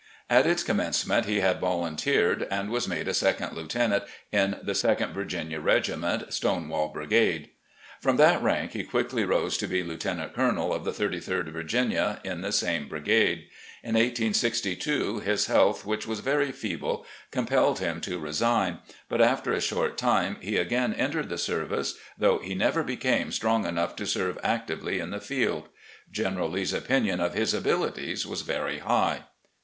At its commencement he had volunteered, and was made a 2d lieutenant in the Second Virginia regiment, *' Stonewall Brigade. '' From that rank he quickly rose to be lieutenant colonel of the 33d Virginia, in the same brigade. In 1862 his health, which was very feeble, compelled him to resign, but after a short time he again entered the service, though he never became strong enough to serve actively in the held. General Lee's opinion of his abilities was very high.